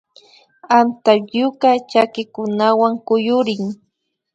Antapyuka chakikunawan kuyurin